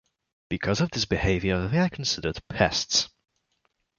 Because of this behavior, they are considered pests.